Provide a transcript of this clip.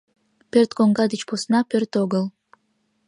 Пӧрт коҥга деч посна — пӧрт огыл!